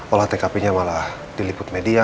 olah tkp nya malah diliput media